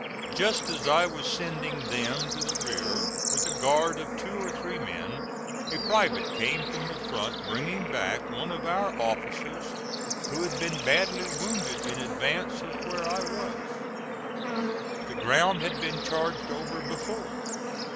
Just as I was sending them to the rear with a guard of two or three men, a private came from the front bringing back one of our officers, who had been badly wounded in advance of where I was. The ground had been charged over before.